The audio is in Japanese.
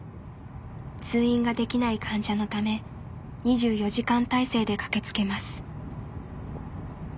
通院ができない患者のため２４時間体制で駆けつけます。